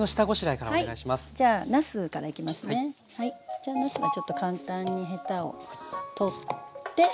じゃあなすはちょっと簡単にヘタを取って。